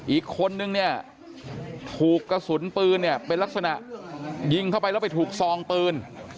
อีกคนนึงเนี่ยถูกกระสุนปืนเนี่ยเป็นลักษณะยิงเข้าไปแล้วไปถูกซองปืน